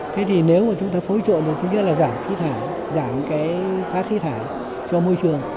thế thì nếu mà chúng ta phối trộn được thứ nhất là giảm khí thải giảm cái phát khí thải cho môi trường